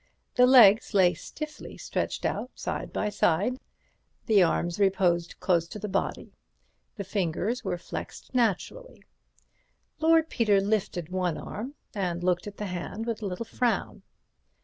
The legs lay stiffly stretched out side by side; the arms reposed close to the body; the fingers were flexed naturally. Lord Peter lifted one arm, and looked at the hand with a little frown.